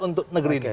untuk negeri ini